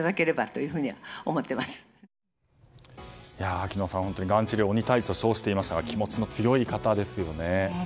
秋野さん、がん治療を鬼退治と称していましたが気持ちの強い方ですよね。